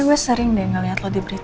atau kenyataan sih